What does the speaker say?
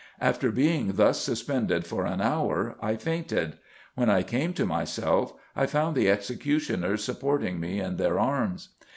After being thus suspended for an hour I fainted; when I came to myself I found the executioners supporting me in their arms."